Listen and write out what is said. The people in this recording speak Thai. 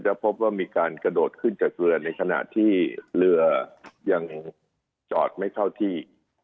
พบว่ามีการกระโดดขึ้นจากเรือในขณะที่เรือยังจอดไม่เท่าที่